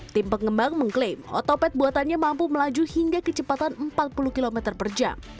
tim pengembang mengklaim otopet buatannya mampu melaju hingga kecepatan empat puluh km per jam